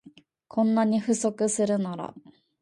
こんなに不足するなら